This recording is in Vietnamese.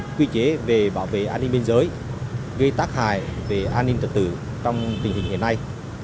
quy định quy chế về bảo vệ an ninh biên giới gây tác hại về an ninh thực tử trong tình hình hiện nay